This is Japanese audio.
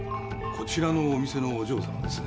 ・こちらのお店のお嬢様ですね。